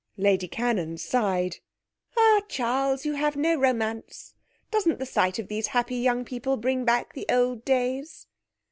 Lady Cannon sighed. 'Ah, Charles, you have no romance. Doesn't the sight of these happy young people bring back the old days?'